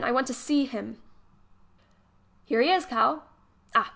I want to see him!" "Here he is, Cal." "Ah!